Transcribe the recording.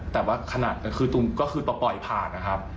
แต่ว่าขนาดนั้นคือก็คือต่อปล่อยผ่านนะครับ